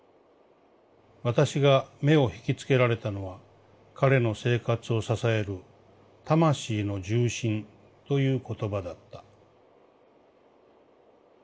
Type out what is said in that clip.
私が眼を引きつけられたのは彼の生活を支える『魂の重心』という言葉だった」。